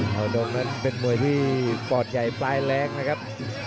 เอาดงนั้นเป็นมวยที่ปอดใหญ่ปลายแรงนะครับ